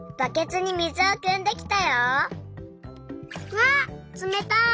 わっつめたい！